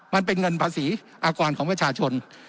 มันเป็นเงินภาษีอากรของประชาชน